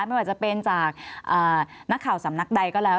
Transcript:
ไม่ว่าจะเป็นจากนักข่าวสำนักใดก็แล้ว